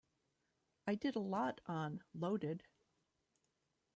I did a lot on "Loaded".